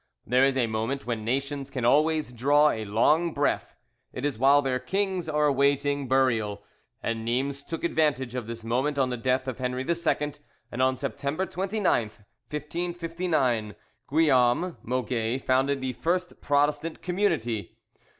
There is a moment when nations can always draw a long breath, it is while their kings are awaiting burial; and Nimes took advantage of this moment on the death of Henri II, and on September 29th, 1559, Guillaume Moget founded the first Protestant community.